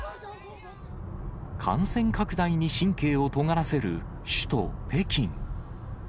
感染拡大に神経をとがらせる首都北京。